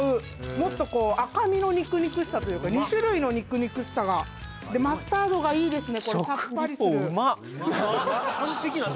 もっとこう赤身の肉々しさというか２種類の肉々しさがでマスタードがいいですね